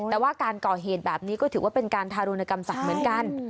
แต่ว่าการก่อเหตุแบบนี้ก็ถือว่าเป็นการทารุณกรรมสัตว์เหมือนกัน